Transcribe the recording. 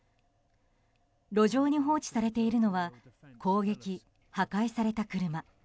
路上に放置されているのは砲撃・破壊された車。